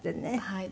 はい。